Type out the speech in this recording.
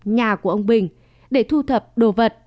nhà của ông bình để thu thập đồ vật